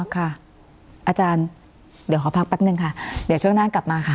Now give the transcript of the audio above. อาจารย์เดี๋ยวขอพักแป๊บนึงค่ะเดี๋ยวช่วงหน้ากลับมาค่ะ